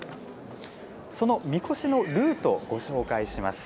そのみこしのルート、ご紹介します。